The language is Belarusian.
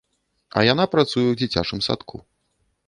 А яна працуе ў дзіцячым садку.